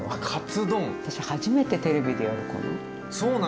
私初めてテレビでやるかな。